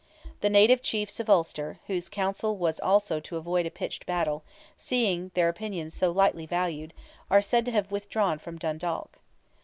The native chiefs of Ulster, whose counsel was also to avoid a pitched battle, seeing their opinions so lightly valued, are said to have withdrawn from Dundalk.